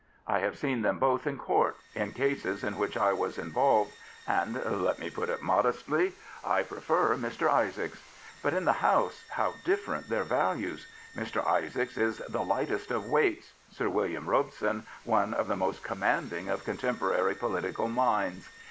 I have seen them both in Court, in cases in which I was involved, and — let me put it modestly — I prefer Mr. Isaacs. But in the House how different their values! Mr. Isaacs is the lightest of weights, Sir William Robson one of the most commanding of contemporary political minds.